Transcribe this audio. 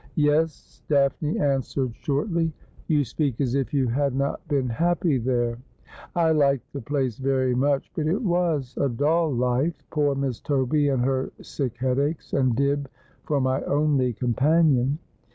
' Yes,' Daphne answered shortly. ' You speak as if you had not been happy there.' ' I liked the place very much ; but it was a dull life. Poor Miss Toby and her sick headaches, and Dibb for my only com panion.'